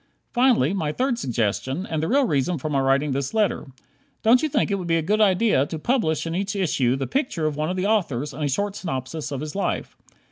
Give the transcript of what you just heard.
Finally, my third suggestion and the real reason for my writing this letter. Don't you think it would be a good idea to publish in each issue the picture of one of the authors, and a short synopsis of his life?